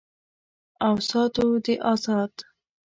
او ساتو دې آزاد